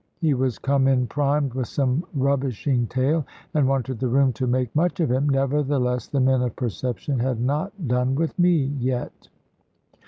He was come in primed with some rubbishing tale, and wanted the room to make much of him. Nevertheless, the men of perception had not done with me yet.